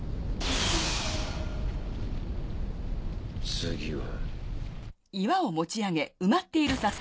次は。